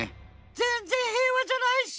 ぜんぜん平和じゃないし！